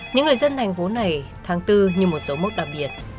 những người dân thành phố này tháng bốn như một dấu mốc đặc biệt